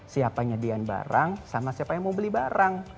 siapa nyediain barang sama siapa yang mau beli barang